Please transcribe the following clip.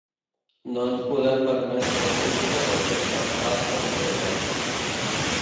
No ens podem permetre el luxe de fer cap passa enrere.